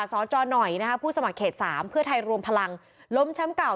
สจหน่อยนะคะผู้สมัครเขต๓เพื่อไทยรวมพลังล้มแชมป์เก่า